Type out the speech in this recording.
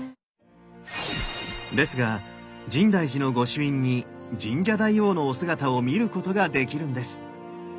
ですが深大寺のご朱印に深沙大王のお姿を見ることができるんです。